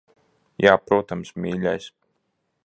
Jā, protams, mīļais.